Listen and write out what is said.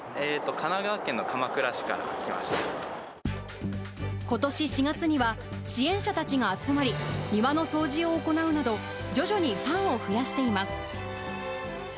神奈川県の鎌倉市から来ましことし４月には支援者たちが集まり、庭の掃除を行うなど、徐々にファンを増やしています。